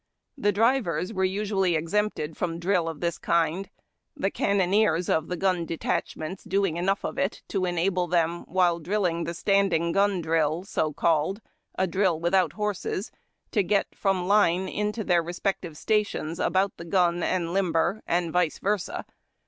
The drivers were usually exempted from drill of this kind, the cannoneers of the gun detachments doing enough of it to enable them, while drilling the standing gun drill, so called, — a drill without horses, — to get from line into 182 HARD TACK AND COFFEE. their respective stations about the gun and limber, and vice versa.